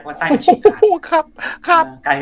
ครับ